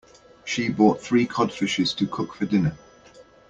She bought three cod fishes to cook for dinner.